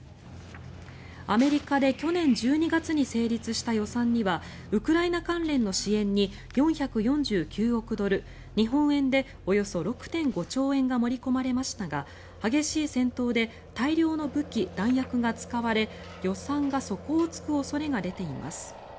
アメリカで去年１２月に成立した予算にはウクライナ関連の支援に４４９億ドル日本円でおよそ６．５兆円が盛り込まれましたが激しい戦闘で大量の武器・弾薬が使われ予算が底を突く恐れが出ています。